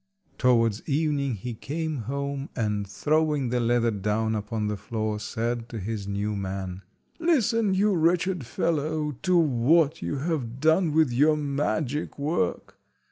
Towards evening he came home, and throwing the leather down upon the floor, said to his new man— "Listen, you wretched fellow, to what you have done with your magic work."